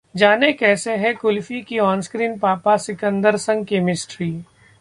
जानें कैसी है कुल्फी की ऑनस्क्रीन पापा सिकंदर संग केमिस्ट्री